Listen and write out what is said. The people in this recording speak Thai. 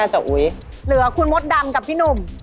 เหลือคุณมดดำกับพี่หนุ่ม